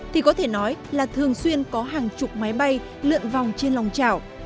thì có thể nói là thường xuyên có hàng chục máy bay lượn vòng trên lòng trảo